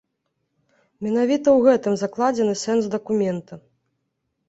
Менавіта ў гэтым закладзены сэнс дакумента.